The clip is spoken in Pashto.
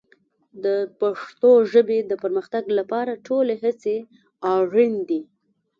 د پښتو ژبې د پرمختګ لپاره ټولې هڅې اړین دي.